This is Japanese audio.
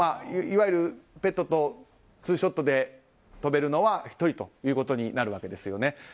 ペットとツーショットで飛べるのは１人ということになるわけです。